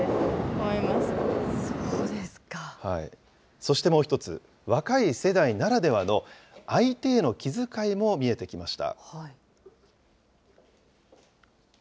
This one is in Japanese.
そしてもう１つ、若い世代ならではの相手への気遣いも見えてきました。